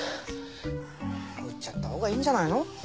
売っちゃったほうがいいんじゃないの？